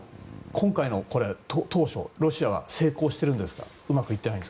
今回のこれ、当初ロシアは成功してるんですか。